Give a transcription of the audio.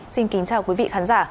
xin kính chào quý vị khán giả